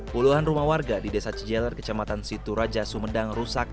puluhan rumah warga di desa cijeler kecamatan situraja sumedang rusak